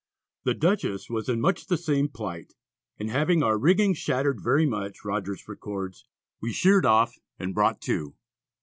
The Dutchess was in much the same plight, and "having our rigging shattered very much," Rogers records, "we sheered off, and brought to."